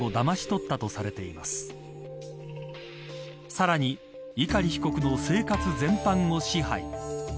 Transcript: さらに碇被告の生活全般を支配。